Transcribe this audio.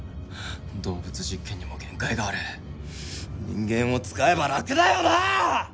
動物実験にも限界がある人間を使えば楽だよな！